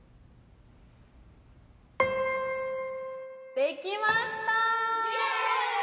できました！